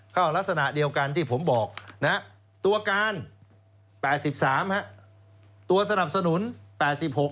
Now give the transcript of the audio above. ลักษณะเดียวกันที่ผมบอกนะฮะตัวการแปดสิบสามฮะตัวสนับสนุนแปดสิบหก